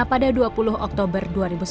pada dua puluh oktober dua ribu sembilan belas